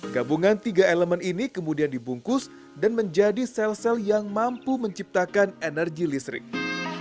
gabungan tiga elemen ini kemudian dibungkus dan menjadi sel sel yang mampu menciptakan energi listrik